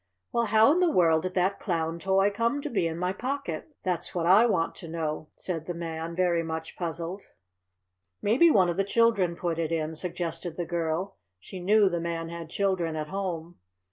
"Well, how in the world did that Clown toy come to be in my pocket? That's what I want to know," said the Man, very much puzzled. "Maybe one of the children put it in," suggested the girl. She knew the Man had children at home.